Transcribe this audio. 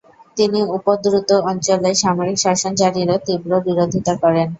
তিনি উপদ্রুত অঞ্চলে সামরিক শাসন জারিরও তীব্র বিরোধিতা করেন ।